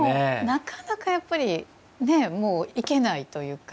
なかなかやっぱり行けないというか。